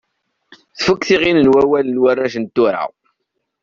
Tfukk tiɣin n wawal n warrac n tura.